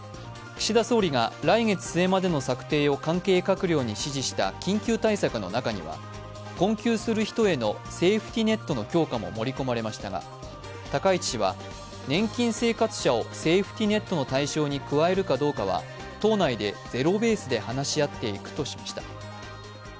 岸田総理が来月末までの策定を関係閣僚に指示した緊急対策の中には、困窮する人へのセーフティーネットの強化も盛り込まれましたが、高市氏は年金生活者をセーフティーネットの対象に加えるかどうかは党内でゼロベースで話し合っていくとしました。